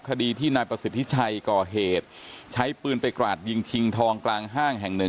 คดีที่นายประสิทธิชัยก่อเหตุใช้ปืนไปกราดยิงชิงทองกลางห้างแห่งหนึ่ง